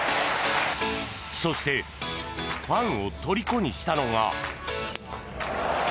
そして、ファンをとりこにしたのが。